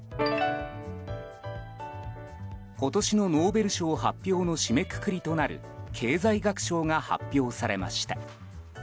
今年のノーベル賞発表の締めくくりとなる経済学賞が発表されました。